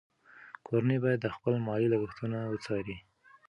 کورنۍ باید خپل مالي لګښتونه وڅاري.